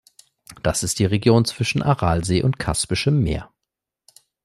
Das ist die Region zwischen Aralsee und Kaspischem Meer.